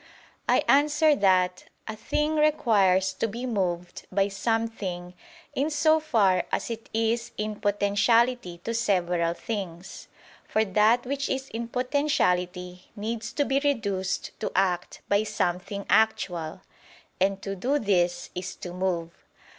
I answer that, A thing requires to be moved by something in so far as it is in potentiality to several things; for that which is in potentiality needs to be reduced to act by something actual; and to do this is to move.